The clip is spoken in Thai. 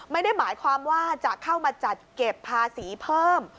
ไม่ได้หมายความว่าจะเข้ามาจัดเก็บภาษีเพิ่ม